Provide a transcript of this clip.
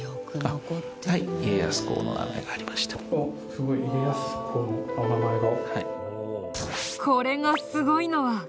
すごい家康公の名前が。